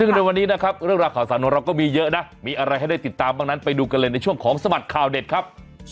ซึ่งในวันนี้นะครับเรื่องราวข่าวสารของเราก็มีเยอะนะมีอะไรให้ได้ติดตามบ้างนั้นไปดูกันเลยในช่วงของสมัครข่าวเด็ดครับ